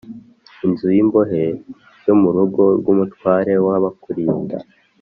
inzu y imbohe yo mu rugo rw umutware w abakurinda